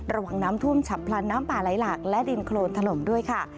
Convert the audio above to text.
ระวังน้ำท่วมฉับพลันน้ำป่าไหลหลักและดินโครนถล่มด้วยค่ะ